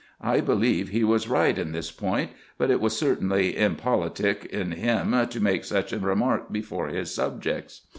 I believe he was right in this point ; but it was certainly impolitic in him to make such a remark before his subjects.